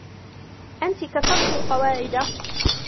أنتِ كسرتِ القواعد.